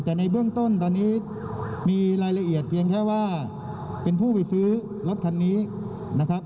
แต่ในเบื้องต้นตอนนี้มีรายละเอียดเพียงแค่ว่าเป็นผู้ไปซื้อรถคันนี้นะครับ